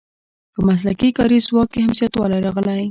په مسلکي کاري ځواک کې هم زیاتوالی راغلی.